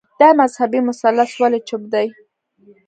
دا مذهبي مثلث ولي چوپ دی